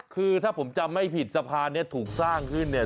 คือถ้าผมจำไม่ผิดสะพานเนี่ยถูกสร้างขึ้นเนี่ย